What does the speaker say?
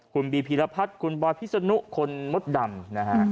คุณบีพีรพัฒณ์คุณบรรพิสนุคนมดดำ